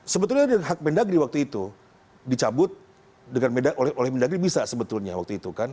sebetulnya hak mendagri waktu itu dicabut oleh mendagri bisa sebetulnya waktu itu kan